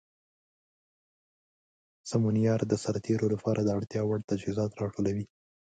سمونیار د سرتیرو لپاره د اړتیا وړ تجهیزات راټولوي.